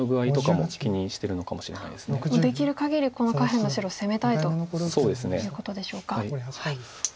もうできるかぎりこの下辺の白攻めたいということでしょうか。